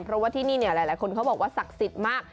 เพราะว่าที่นี่เนี่ยหลายคนเขาบอกว่าศักดิ์สิทธิ์มาก